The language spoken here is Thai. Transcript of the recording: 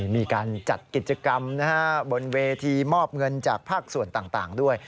มีการจัดกิจกรรมบนเวทีมอบเงินจากภาคส่วนต่างด้วย